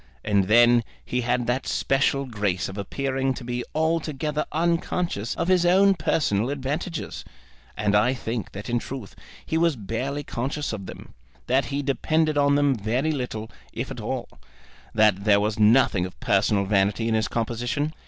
And then he had that special grace of appearing to be altogether unconscious of his own personal advantages. And I think that in truth he was barely conscious of them; that he depended on them very little, if at all; that there was nothing of personal vanity in his composition.